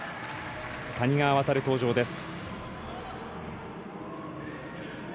谷川航、登場です。